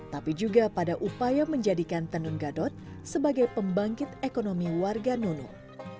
tapi juga pada upaya menjadikan tenun gadot sebagai pembangkit ekonomi warga nunung